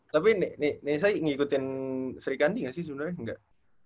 tapi nesai ngikutin sri kandi gak sih sebenernya enggak